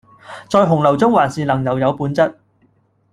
在洪流中還是能留有本質